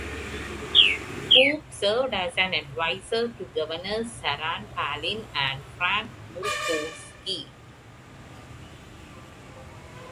Kopp served as an advisor to Governors Sarah Palin and Frank Murkowski.